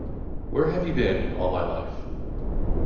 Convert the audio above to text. Where have you been all my life?